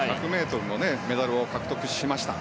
１００ｍもメダルを獲得しました。